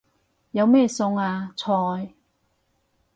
有咩餸啊？菜